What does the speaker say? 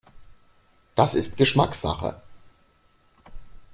Das ist Geschmackssache.